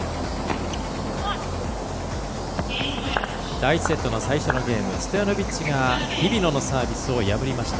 第１セットの最初のゲームストヤノビッチが日比野のサービスを破りました。